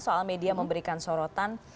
soal media memberikan sorotan